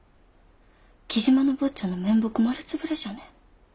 雉真の坊ちゃんの面目丸潰れじゃね。